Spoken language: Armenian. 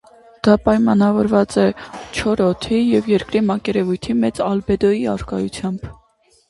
Դա պայմանավորված է չոր օդի և երկրի մակերևույթի մեծ ալբեդոյի առկայությամբ։